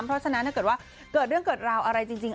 เพราะฉะนั้นถ้าเกิดว่าเกิดเรื่องเกิดราวอะไรจริง